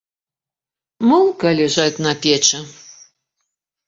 Мулка ляжаць на печы.